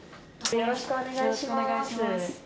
よろしくお願いします。